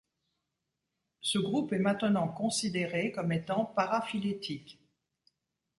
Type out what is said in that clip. Ce groupe est maintenant considéré comme étant paraphylétique.